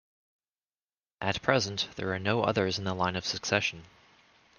At present, there are no others in the line of succession.